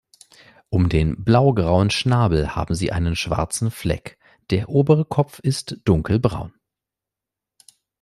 Um den blau-grauen Schnabel haben sie einen schwarzen Fleck; der obere Kopf ist dunkelbraun.